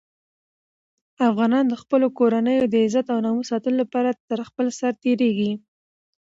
افغانان د خپلو کورنیو د عزت او ناموس ساتلو لپاره تر خپل سر تېرېږي.